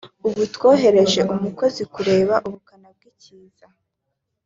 ubu twohereje umukozi kureba ubukana bw’ikiza